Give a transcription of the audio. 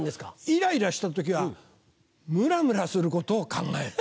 イライラした時はムラムラすることを考える。